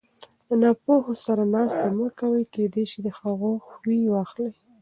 د ناپوهو سره ناسته مه کوئ! کېداى سي د هغو خوى واخلى!